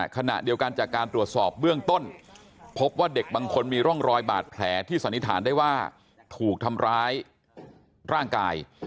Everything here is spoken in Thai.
ขณะเดียวกันจากการตรวจสอบเบื้องต้นพบว่าเด็กบางคนมีร่องรอยบาดแผลที่สันนิษฐานได้ว่าถูกทำร้ายร่างกาย